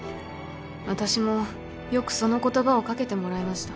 私もよくその言葉をかけてもらいました